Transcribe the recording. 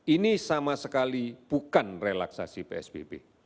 ini sama sekali bukan relaksasi psbb